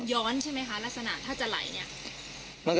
มันย้อนใช่ไหมคะลักษณะถ้าจะไหลเนี่ย